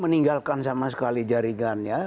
meninggalkan sama sekali jaringannya